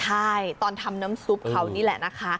ใช่ตอนทำน้ำซุปเขานี่แหละนะคะ